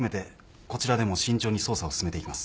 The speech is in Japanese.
こちらでも慎重に捜査を進めていきます。